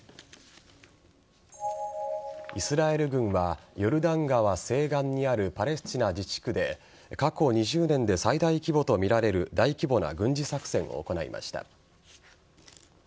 イスラエル軍はヨルダン川西岸にあるパレスチナ自治区で過去２０年で最大規模とみられる大規模な軍事作戦を行いました。